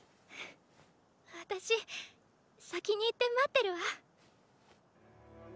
私先に行って待ってるわ。